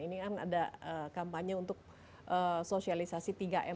ini kan ada kampanye untuk sosialisasi tiga m